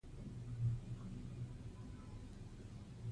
زموږ تاریخ زموږ د مېړانې شاهد دی.